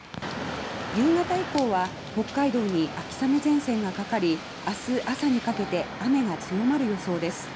夕方以降は北海道に秋雨前線がかかり明日朝にかけて雨脚が強まる予想です。